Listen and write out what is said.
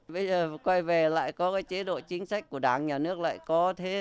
bây giờ quay về lại có cái chế độ chính sách của đảng nhà nước lại có thế